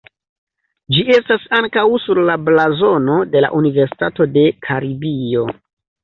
Ĝi estas ankaŭ sur la blazono de la Universitato de Karibio.